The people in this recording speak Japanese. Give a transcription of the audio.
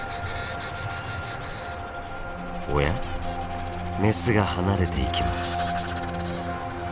おやメスが離れていきます。